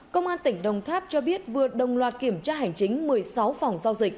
công an tỉnh đồng tháp cho biết vừa đồng loạt kiểm tra hành chính một mươi sáu phòng giao dịch